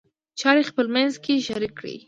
چارې خپلمنځ کې شریک کړئ.